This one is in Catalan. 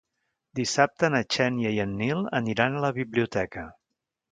Dissabte na Xènia i en Nil aniran a la biblioteca.